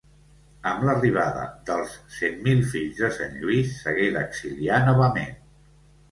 Amb l'arribada dels Cent Mil Fills de Sant Lluís s'hagué d'exiliar novament.